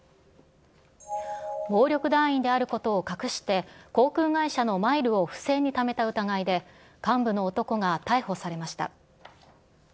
暴力団員であることを隠して、航空会社のマイルを不正にためた疑いで、幹部の男が逮捕されました。